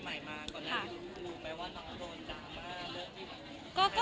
ใหม่มากก่อนแล้วค่ะรู้ไหมว่าน้องโดนตามากเรื่องที่